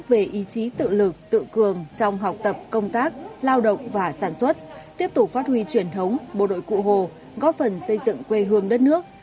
về ý chí tự lực tự cường trong học tập công tác lao động và sản xuất tiếp tục phát huy truyền thống bộ đội cụ hồ góp phần xây dựng quê hương đất nước